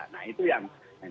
nah itu yang